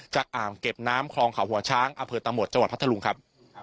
อ่างเก็บน้ำคลองเขาหัวช้างอำเภอตะหมดจังหวัดพัทธรุงครับ